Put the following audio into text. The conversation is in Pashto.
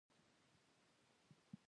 د سردار محمد اسحق خان د ښورښ ستونزه وه.